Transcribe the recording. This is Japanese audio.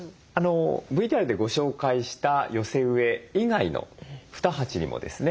ＶＴＲでご紹介した寄せ植え以外の２鉢にもですね